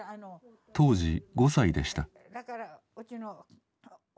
当時５歳でした。